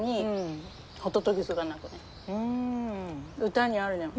歌にあるやん。